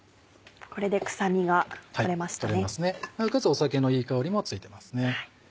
酒のいい香りもついてますね。